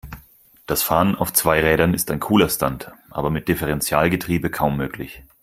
Das Fahren auf zwei Rädern ist ein cooler Stunt, aber mit Differentialgetriebe kaum möglich.